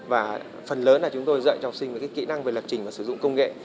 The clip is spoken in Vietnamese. và phần lớn là chúng tôi dạy cho học sinh về kỹ năng về lập trình và sử dụng công nghệ